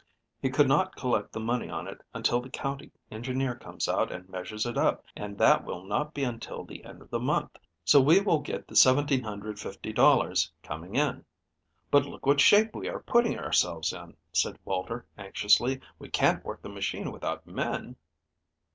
He could not collect the money on it until the county engineer comes out and measures it up, and that will not be until the end of the month, so we will get the $1,750 coming in." "But look what shape we are putting ourselves in," said Walter anxiously. "We can't work the machine without men."